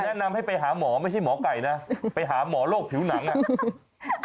แนะนำให้ไปหาหมอไม่ใช่หมอไก่นะไปหาหมอโรคผิวหนังอ่ะ